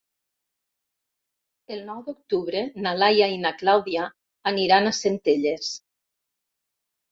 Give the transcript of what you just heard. El nou d'octubre na Laia i na Clàudia aniran a Centelles.